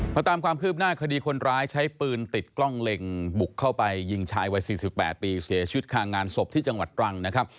ตามความคืบหน้าคดีคนร้ายใช้ปืนติดกล้องเล็งบุกเข้าไปยิงชายวัย๔๘ปีเสียชีวิตคางานศพที่จังหวัดตรังนะครับ